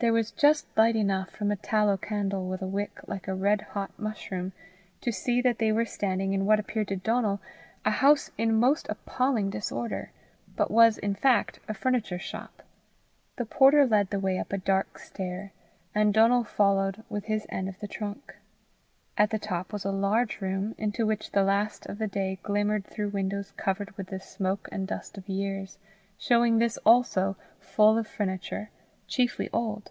There was just light enough from a tallow candle with a wick like a red hot mushroom, to see that they were in what appeared to Donal a house in most appalling disorder, but was in fact a furniture shop. The porter led the way up a dark stair, and Donal followed with his end of the trunk. At the top was a large room, into which the last of the day glimmered through windows covered with the smoke and dust of years, showing this also full of furniture, chiefly old.